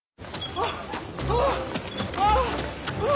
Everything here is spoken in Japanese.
あっ！